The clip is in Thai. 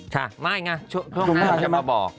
ค่ะไม่ไงช่วงหน้าจะมาบอก